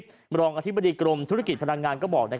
บรรยากาศอธิบดิกรุมธุรกิจพนักงาน